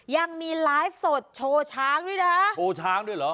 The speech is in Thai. ยังมีไลฟ์สดโชว์ช้างด้วยนะโชว์ช้างด้วยเหรอ